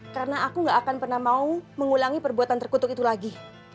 karena aku tidak akan pernah mau mengulangi perbuatan terkutuk itu lagi